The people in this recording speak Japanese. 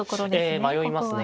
ええ迷いますね